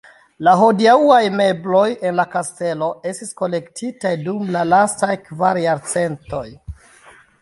La hodiaŭaj mebloj en la kastelo estis kolektitaj dum la lastaj kvar jarcentoj.